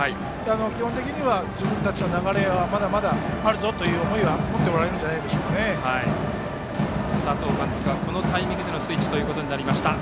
基本的には、自分たちの流れはまだまだあるぞという思いは持っておられるんじゃ佐藤監督はこのタイミングでスイッチとなりました。